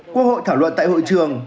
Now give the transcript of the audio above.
quốc hội thảo luận tại hội trường